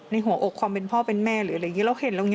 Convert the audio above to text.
ในหัวอกความเป็นพ่อเป็นแม่เราเห็นเราคิดบ้าง